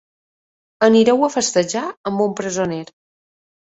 Anireu a festejar amb un presoner.